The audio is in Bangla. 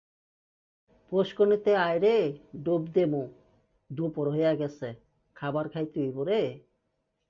মেজর দীপক রাও তার এই কাজে তার সহকর্মী।